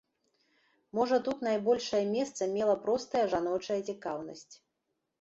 Можа, тут найбольшае месца мела простая жаночая цікаўнасць.